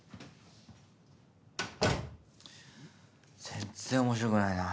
全然面白くないな。